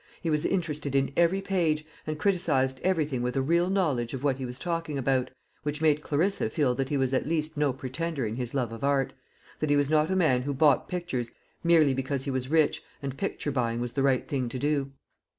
He was interested in every page, and criticised everything with a real knowledge of what he was talking about, which made Clarissa feel that he was at least no pretender in his love of art; that he was not a man who bought pictures merely because he was rich and picture buying was the right thing to do.